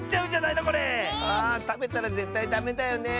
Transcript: たべたらぜったいダメだよね。